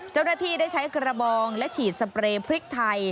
เจ้าหน้าที่ได้ใช้กระบองและฉีดสเปรย์พริกไทย